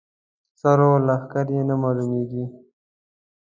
سر و ښکر یې نه معلومېږي.